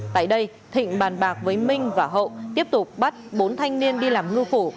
tại đây thịnh bàn bạc với minh và hậu tiếp tục bắt bốn thanh niên đi làm ngư phủ